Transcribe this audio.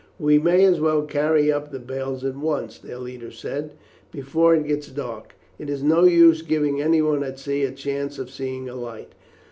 "We may as well carry up the bales at once," their leader said, "before it gets dark. It is no use giving anyone at sea a chance of seeing a light.